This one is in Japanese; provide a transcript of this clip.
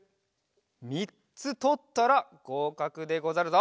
みっつとったらごうかくでござるぞ。